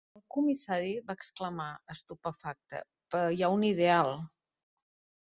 El comissari va exclamar, estupefacte, "Però hi ha un ideal".